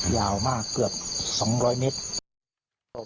ยาวมากเกือบ๒๐๐เมตร